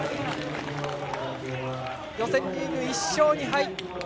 予選リーグ１勝２敗。